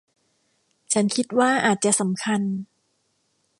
ฉันคิดว่าอาจจะสำคัญ